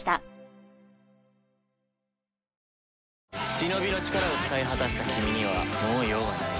シノビの力を使い果たした君にはもう用はない。